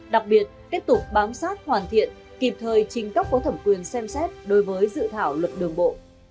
đặc biệt tiếp tục bám sát hoàn thiện kịp thời trình cấp phố thẩm quyền xem xét đối với dự thảo luật đường bộ